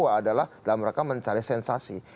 adalah dalam rangka mencari sensasi